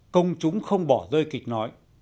công chúng không bỏ rơi kịch nói